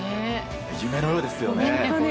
夢のようですよね。